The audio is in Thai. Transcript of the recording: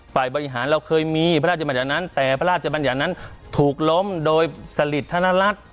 ฝ่ายบริหารเราเคยมีพระราชบรรยานั้นแต่พระราชบรรยานั้นถูกล้มโดยสลิตธรรมรัฐ